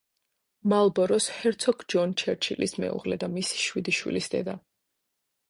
მალბოროს ჰერცოგ ჯონ ჩერჩილის მეუღლე და მისი შვიდი შვილის დედა.